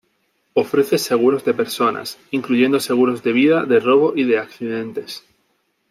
Ofrece seguros de personas, incluyendo seguros de vida, de robo y de accidentes.